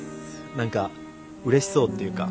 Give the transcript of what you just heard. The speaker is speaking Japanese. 何かうれしそうっていうか。